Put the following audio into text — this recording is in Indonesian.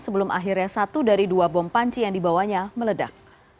sebelum akhirnya satu dari dua bom panci yang dibawanya meledak